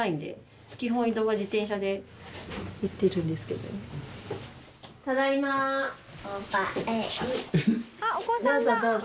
どうぞどうぞ。